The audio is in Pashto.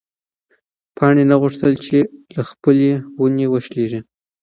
پاڼې نه غوښتل چې له خپلې ونې وشلېږي.